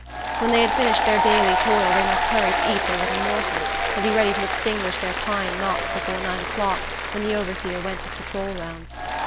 When they had finished their daily toil, they must hurry to eat their little morsels, and be ready to extinguish their pine knots before nine o'clock, when the overseer went his patrol rounds.